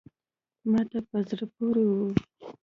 ما ته په زړه پوري وه …